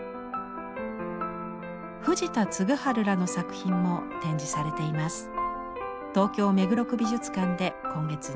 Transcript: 藤田嗣治らの作品も展示されています。